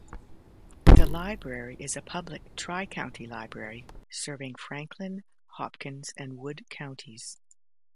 The library is a public Tri-County library serving Franklin, Hopkins, and Wood counties.